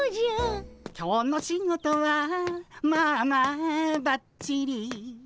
「今日の仕事はまあまあばっちり」